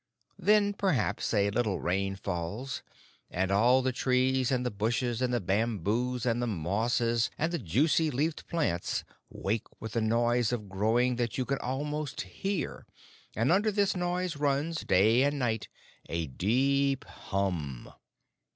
Then, perhaps, a little rain falls, and all the trees and the bushes and the bamboos and the mosses and the juicy leaved plants wake with a noise of growing that you can almost hear, and under this noise runs, day and night, a deep hum.